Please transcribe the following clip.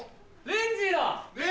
レンジーだ！